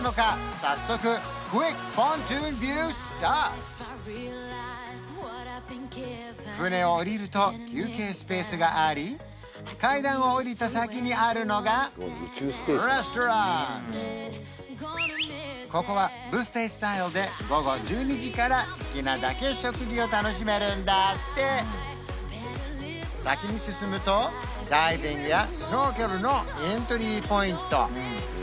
早速船を下りると休憩スペースがあり階段を下りた先にあるのがレストランここはビュッフェスタイルで午後１２時から好きなだけ食事を楽しめるんだって先に進むとダイビングやシュノーケルのエントリーポイント